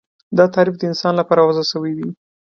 دا تعریف د انسان لپاره وضع شوی دی